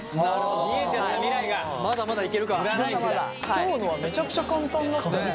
今日のはめちゃくちゃ簡単だったよね。